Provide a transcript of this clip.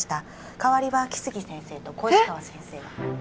代わりは来生先生と小石川先生がえっ？